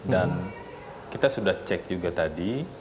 dan kita sudah cek juga tadi